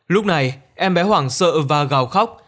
lúc này em bé hoảng sợ và gào khóc